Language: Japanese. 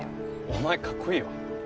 お前かっこいいよ。